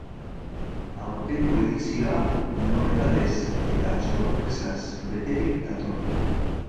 Aurtengo edizioa nobedadez eta sorpresaz beterik dator.